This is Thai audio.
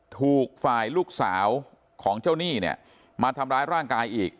ถูกฝ่ายลูกสาวของเจ้าหนี้เนี่ยมาทำร้ายร่างกายอีก